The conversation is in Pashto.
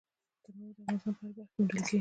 تنوع د افغانستان په هره برخه کې موندل کېږي.